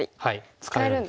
使えるんですね。